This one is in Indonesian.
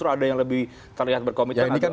ada yang lebih terlihat berkomitmen